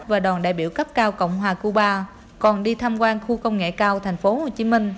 và đoàn đại biểu cấp cao cộng hòa cuba còn đi tham quan khu công nghệ cao tp hcm